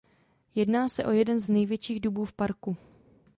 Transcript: Jedná se o jeden z největších dubů v parku.